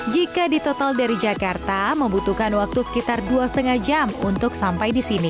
jika ditotal dari jakarta membutuhkan waktu sekitar dua lima jam untuk sampai di sini